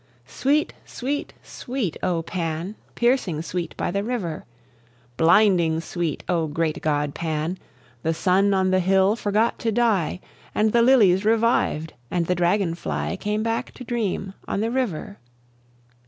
Sweet, sweet, sweet, O Pan! Piercing sweet by the river! Blinding sweet, O great god Pan! The sun on the hill forgot to die, And the lilies reviv'd, and the dragon fly Came back to dream on the river.